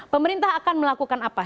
pemerintah akan melakukan apa